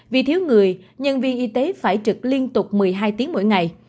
vì thiếu người nhân viên y tế phải trực liên tục một mươi hai tiếng mỗi ngày